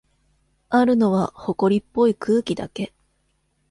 あるのは、ほこりっぽい空気だけ。